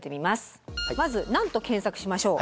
まず何と検索しましょう？